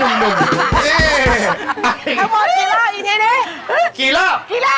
ถูกรับไหมถูกต้องไหม